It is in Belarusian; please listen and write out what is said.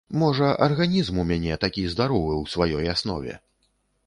Можа, арганізм у мяне такі здаровы ў сваёй аснове.